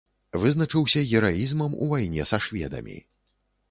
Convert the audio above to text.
Вызначыўся гераізмам у вайне са шведамі.